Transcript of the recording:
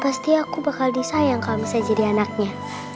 pasti aku bakal disayang kalau misalnya jadi anaknya